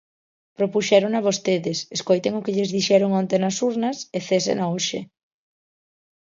Propuxérona vostedes, escoiten o que lles dixeron onte nas urnas e césena hoxe.